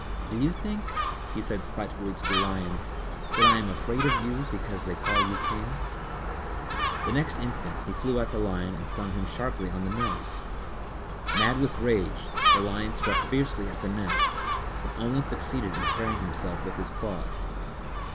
"Do you think," he said spitefully to the Lion, "that I am afraid of you because they call you king?" The next instant he flew at the Lion and stung him sharply on the nose. Mad with rage, the Lion struck fiercely at the Gnat, but only succeeded in tearing himself with his claws.